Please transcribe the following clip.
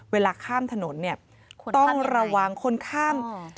เวลาข้ามถนนเนี่ยต้องระวังคนข้าม